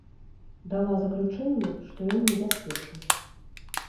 Дала заключэнне, што ён небяспечны.